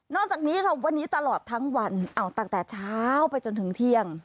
จากนี้ค่ะวันนี้ตลอดทั้งวันเอาตั้งแต่เช้าไปจนถึงเที่ยง